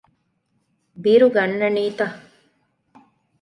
ބިރު ގަންނަނީތަ؟